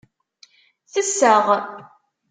Tesseɣ.